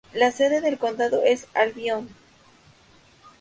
La sede del condado es Albion.